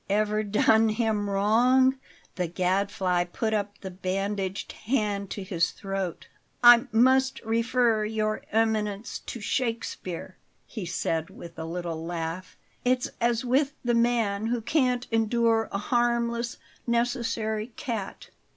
Ever done him wrong! The Gadfly put up the bandaged hand to his throat. "I must refer Your Eminence to Shakspere," he said with a little laugh. "It's as with the man who can't endure a harmless, necessary cat.